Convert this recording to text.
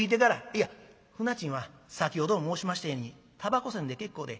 「いや舟賃は先ほども申しましたようにたばこ賃で結構で。